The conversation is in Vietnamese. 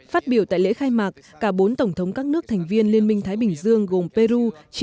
phát biểu tại lễ khai mạc cả bốn tổng thống các nước thành viên liên minh thái bình dương gồm peru